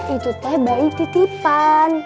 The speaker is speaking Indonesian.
itu teh bayi titipan